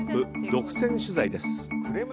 独占取材です。